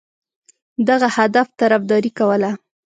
دغه هدف طرفداري کوله.